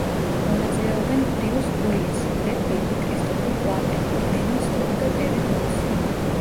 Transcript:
მონაწილეობენ ბრიუს უილისი, ბრედ პიტი, კრისტოფერ პლამერი, მედელინ სტოუ და დევიდ მორსი.